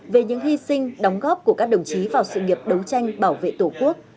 về những hy sinh đóng góp của các đồng chí vào sự nghiệp đấu tranh bảo vệ tổ quốc